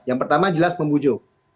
yang pertama jelas membujuk